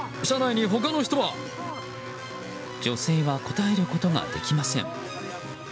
女性は答えることができません。